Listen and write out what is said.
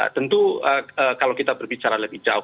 tentu kalau kita berbicara lebih jauh